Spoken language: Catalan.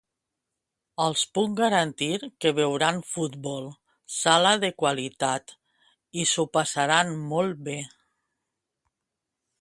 Els puc garantir que veuran futbol sala de qualitat i s'ho passaran molt bé!